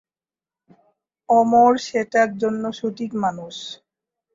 অমর সেটার জন্য সঠিক মানুষ।